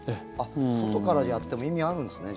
外からやっても意味あるんですね。